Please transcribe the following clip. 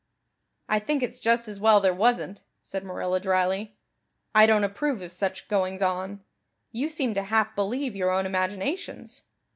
"I think it's just as well there wasn't," said Marilla drily. "I don't approve of such goings on. You seem to half believe your own imaginations.